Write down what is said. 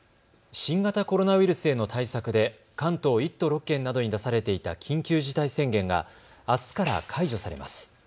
新型コロナウイルスへの対策で関東１都６県などに出されていた緊急事態宣言があすから解除されます。